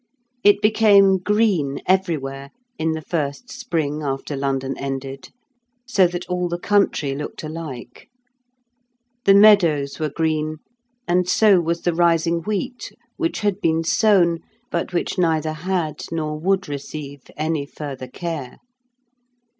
It became green everywhere in the first spring, after London ended, so that all the country looked alike. The meadows were green, and so was the rising wheat which had been sown, but which neither had nor would receive any further care.